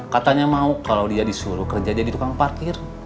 katanya mau kalau dia disuruh kerja jadi tukang parkir